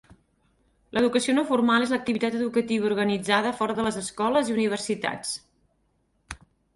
L'educació no formal és l'activitat educativa organitzada fora de les escoles i universitats.